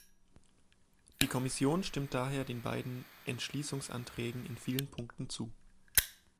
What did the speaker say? Die Kommission stimmt daher den beiden Entschließungsanträgen in vielen Punkten zu.